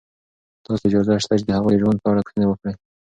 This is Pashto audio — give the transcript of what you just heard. تاسو ته اجازه شته چې د هغوی د ژوند په اړه پوښتنې وکړئ.